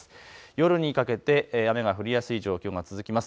夜にかけて雨が降りやすい状況が続きます。